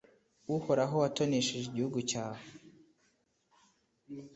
Uhoraho watonesheje igihugu cyawe